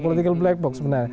politik yang black box sebenarnya